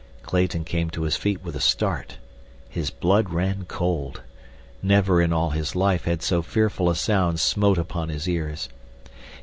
Clayton came to his feet with a start. His blood ran cold. Never in all his life had so fearful a sound smote upon his ears.